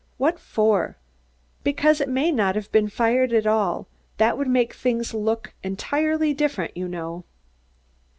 "What for?" "Because it may not have been fired at all. That would make things look entirely different, you know."